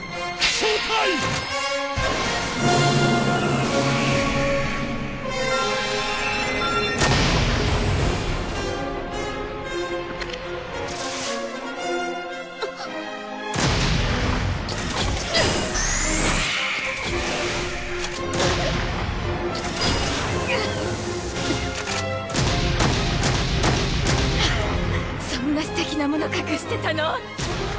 アハッそんなすてきなもの隠してたの！